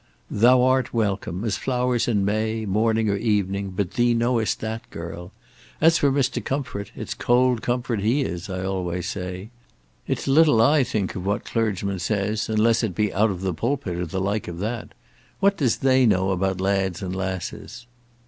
"Thou art welcome, as flowers in May, morning or evening; but thee knowest that, girl. As for Mr. Comfort, it's cold comfort he is, I always say. It's little I think of what clergymen says, unless it be out of the pulpit or the like of that. What does they know about lads and lasses?"